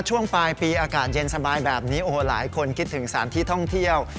ช่วงปลายปีอากาศเย็นสบายแบบนี้โอ้โหหลายคนคิดถึงสถานที่ท่องเที่ยว